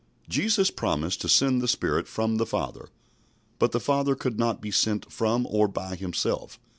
Jesus promised to send the Spirit from the Father, but the Father could not be sent from or by Himself.